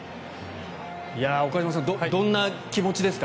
岡島さん、どんな気持ちですか？